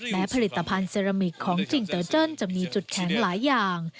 ผลิตภัณฑ์เซรามิกของจิงเตอร์เจิ้นจะมีจุดแข็งหลายอย่าง